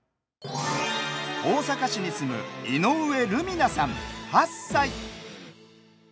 大阪市に住む井上瑠海奈さん、８歳。